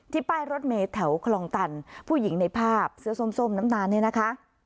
ป้ายรถเมย์แถวคลองตันผู้หญิงในภาพเสื้อส้มน้ำตาลเนี่ยนะคะ